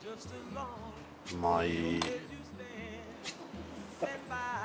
うまい！